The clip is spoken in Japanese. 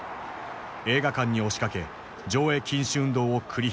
映画館に押しかけ上映禁止運動を繰り広げた。